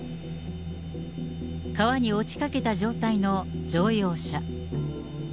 川に落ちかけた状態の乗用車。